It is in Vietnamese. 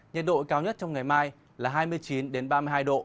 nhiệt độ cao nhất trong ngày mai là hai mươi chín ba mươi hai độ